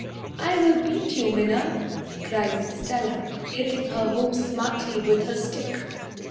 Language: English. "I will beat you, Minna," cries Stella, Hitting her hoop smartly with her stick.